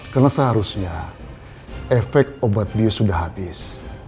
karena seharusnya efek obat bios sudah habis